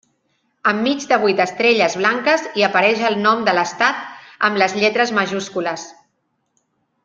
Enmig de vuit estrelles blanques, hi apareix el nom de l'estat amb les lletres majúscules.